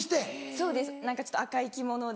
そうです何かちょっと赤い着物で。